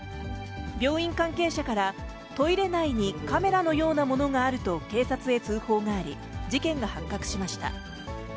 病院関係者から、トイレ内にカメラのようなものがあると警察へ通報があり、事件が発覚しました。